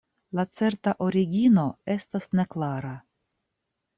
La certa origino estas neklara.